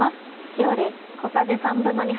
塩です。